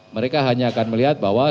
mereka hanya akan melihat bahwa